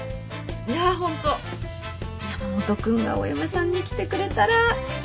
いやホント山本君がお嫁さんに来てくれたらいいのに